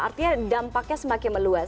artinya dampaknya semakin meluas